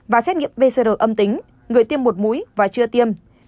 và xét nghiệm pcr âm tính người tiêm một mũi và chưa tiêm